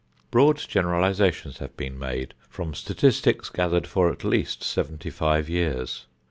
Broad generalizations have been made from statistics gathered for at least seventy five years.